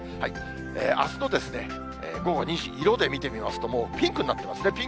あすの午後２時、色で見てみますと、もうピンクになってますね。